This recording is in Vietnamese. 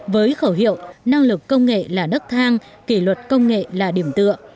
với khẩu hiệu năng lực công nghệ là nức thang kỷ luật công nghệ là điểm tựa